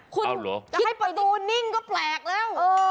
คุณเอ้าเหรอจะให้ประตูนิ่งก็แปลกแล้วเออ